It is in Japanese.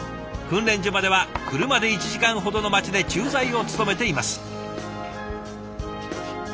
訓練所までは車で１時間ほどの町で駐在を務めています。